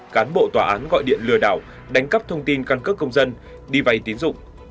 cán bộ tòa án gọi điện lừa đảo đánh cắp thông tin căn cước công dân đi vay tín dụng